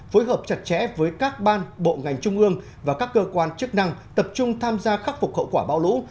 phối hợp chặt chẽ với các ban bộ ngành trung ương và các cơ quan chức năng tập trung tham gia khắc phục hậu quả bão lũ